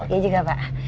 iya juga pak